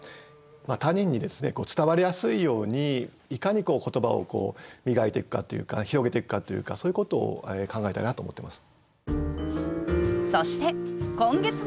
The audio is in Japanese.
他人に伝わりやすいようにいかに言葉を磨いていくかというか広げていくかというかそういうことを考えたいなと思ってます。